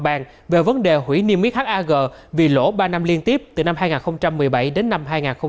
bàn về vấn đề hủy niêm yết hag vì lỗ ba năm liên tiếp từ năm hai nghìn một mươi bảy đến năm hai nghìn một mươi bảy